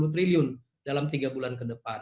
sembilan puluh triliun dalam tiga bulan ke depan